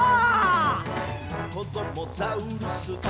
「こどもザウルス